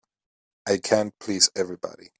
I can't please everybody.